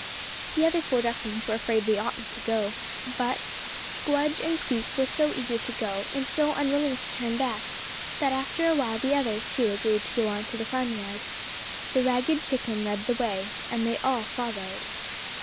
The other four ducklings were afraid they oughtn't to go, but Squdge and Queek were so eager to, and so unwilling to turn back, that after a while the others, too, agreed to go on to the farmyard. The ragged chicken led the way, and they all followed.